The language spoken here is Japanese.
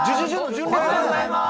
おはようございます。